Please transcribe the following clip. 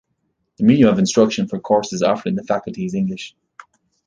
The medium of instruction for courses offered in the faculty is English.